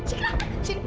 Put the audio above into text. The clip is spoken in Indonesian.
sini lah sini